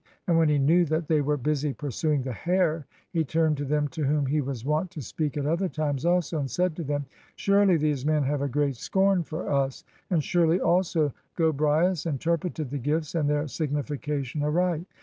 And when he knew that they were busy pur suing the hare he turned to them to whom he was wont to speak at other times also, and said to them, " Surely these men have a great scorn for us; and surely also Gobryas interpreted the gifts and their signification aright.